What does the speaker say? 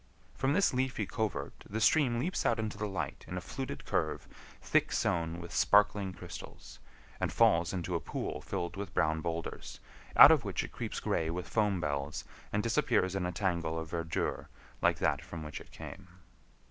From this leafy covert the stream leaps out into the light in a fluted curve thick sown with sparkling crystals, and falls into a pool filled with brown boulders, out of which it creeps gray with foam bells and disappears in a tangle of verdure like that from which it came.